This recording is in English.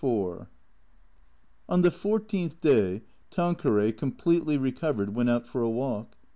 IV ON" the fourteenth day, Tanqueray, completely recovered, went out for a walk.